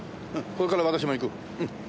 これから私も行く。